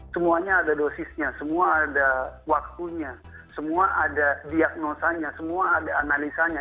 semuanya ada dosisnya semua ada waktunya semua ada diagnosanya semua ada analisanya